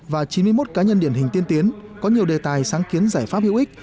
và chín mươi một cá nhân điển hình tiên tiến có nhiều đề tài sáng kiến giải pháp hữu ích